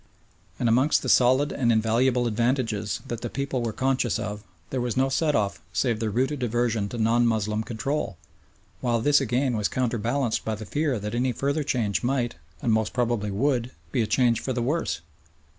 And against the solid and invaluable advantages that the people were conscious of there was no set off save their rooted aversion to non Moslem control, while this again was counterbalanced by the fear that any further change might, and most probably would, be a change for the worse.